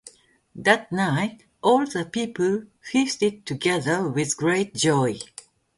That night, all the people feasted together with great joy.